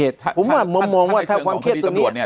ถ้าในเชิงของคุณที่ตำรวจนี้